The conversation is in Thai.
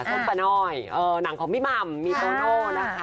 ส้มปลาน้อยหนังของพี่หม่ำมีโตโน่นะคะ